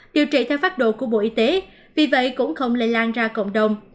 điều trị theo phát độ của bộ y tế vì vậy cũng không lây lan ra cộng đồng